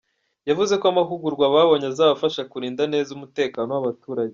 Yavuze ko amahugurwa babonye azabafasha kurinda neza umutekano w’abaturage.